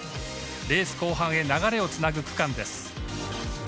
レース後半へ流れをつかむ区間です。